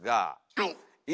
はい。